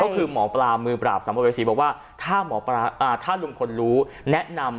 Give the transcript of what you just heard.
คือหมอปรามือปราบซัมภเวสีบอกว่าถ้าหมอปราอ่าถ้ารุงฝนรู้แนะนำ